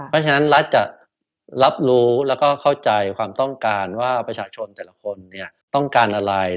เพราะฉะนั้นรัฐจะรับรู้แล้วก็เข้าใจความต้องการว่าประชาชนแต่ละคนเนี่ยต้องการอะไร